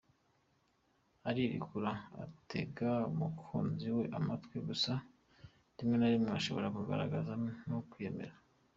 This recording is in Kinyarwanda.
Arirekura, atega umukunzi we amatwi gusa rimwe na rimwe ashobora kugaragara nk’uwiyemera.